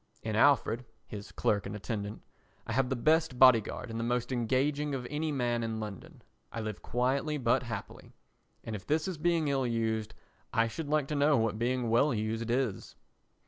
In Alfred [his clerk and attendant] I have the best body guard and the most engaging of any man in London. I live quietly but happily. And if this is being ill used I should like to know what being well used is.